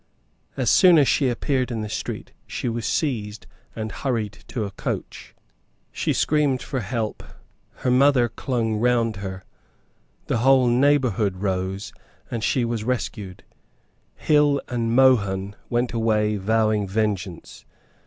As soon as she appeared in the street she was seized and hurried to a coach. She screamed for help; her mother clung round her; the whole neighbourhood rose; and she was rescued. Hill and Mohun went away vowing vengeance.